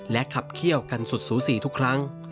ขับเขี้ยวกันสุดสูสีทุกครั้ง